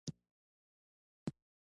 ورزش د بدن حرکات نرم ساتي.